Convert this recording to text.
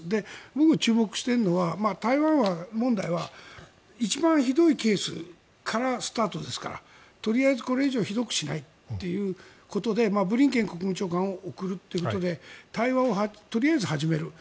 僕が注目しているのは台湾問題は一番ひどいケースからスタートですからとりあえずこれ以上ひどくしないということでブリンケン国務長官を送るということで対話をとりあえず始める。